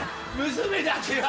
娘だけは。